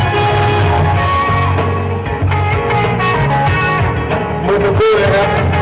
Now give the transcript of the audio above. ขอบคุณทุกเรื่องราว